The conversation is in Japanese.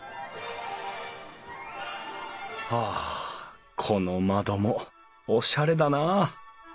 あこの窓もおしゃれだな。